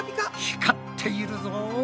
光っているぞ。